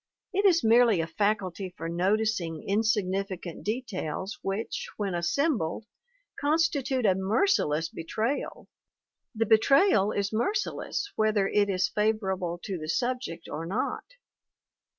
It is merely a faculty for noticing insignificant details which, when assembled, constitute a merciless betrayal the betrayal is merciless whether it is fa vorable to the subject or not.